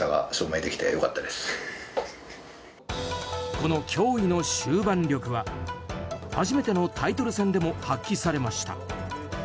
この驚異の終盤力は初めてのタイトル戦でも発揮されました。